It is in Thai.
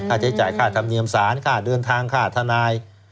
ใช้จ่ายค่าธรรมเนียมสารค่าเดินทางค่าทนาย